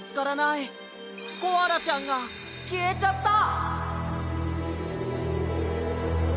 コアラちゃんがきえちゃった！